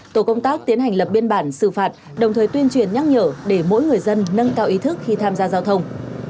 tổ công tác tiến hành lập biên bản xử phạt đồng thời tuyên truyền nhắc nhở để mỗi người dân nâng cao ý thức khi tham gia giao thông